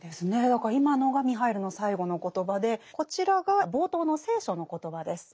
だから今のがミハイルの最後の言葉でこちらが冒頭の「聖書」の言葉です。